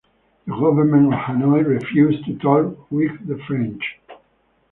The government of Hanoi refused to talk with the French.